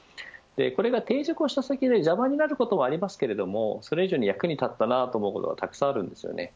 これが転職をした先で邪魔になることもありますけどもそれ以上に役に立ったというものもたくさんあります。